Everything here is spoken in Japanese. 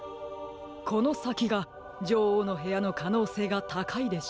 このさきがじょおうのへやのかのうせいがたかいでしょう。